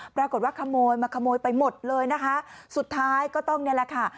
ปรากฏว่าขโมยมาขโมยไปหมดเลยนะคะสุดท้ายก็ต้องนี่แหละค่ะ